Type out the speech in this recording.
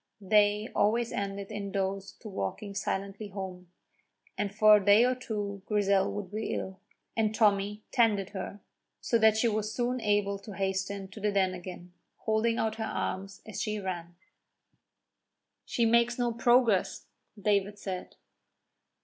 They always ended in those two walking silently home, and for a day or two Grizel would be ill, and Tommy tended her, so that she was soon able to hasten to the Den again, holding out her arms as she ran. "She makes no progress," David said.